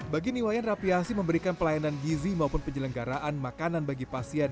bagi niwayan rapiasi memberikan pelayanan gizi maupun penyelenggaraan makanan bagi pasien